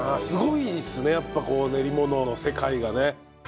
すごいですねやっぱこう練り物の世界がね。